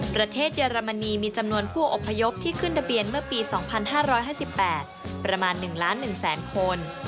เยอรมนีมีจำนวนผู้อพยพที่ขึ้นทะเบียนเมื่อปี๒๕๕๘ประมาณ๑ล้าน๑แสนคน